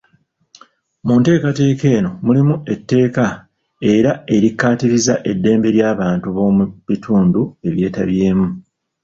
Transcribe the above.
Mu ntekateka eno mulimu eteeka era likkaatiriza eddembe ly'abantu b'omu bitundu ebyetabyemu.